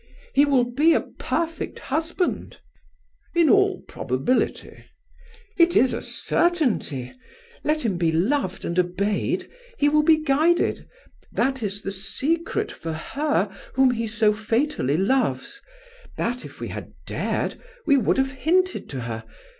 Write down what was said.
"He will be a perfect husband." "In all probability." "It is a certainty. Let him be loved and obeyed, he will be guided. That is the secret for her whom he so fatally loves. That, if we had dared, we would have hinted to her.